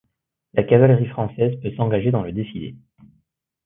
La cavalerie française peut s’engager dans le défilé.